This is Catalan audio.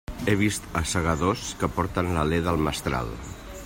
He vist assagadors que porten l'alé del mestral.